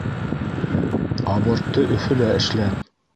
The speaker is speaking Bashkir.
Абортты Өфөлә эшләт.